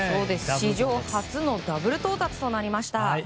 史上初のダブル到達となりました。